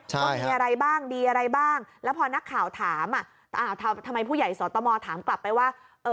ว่ามีอะไรบ้างดีอะไรบ้างแล้วพอนักข่าวถามทำไมผู้ใหญ่สตมถามกลับไปว่า